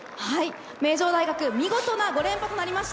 名城大学、見事な５連覇となりました。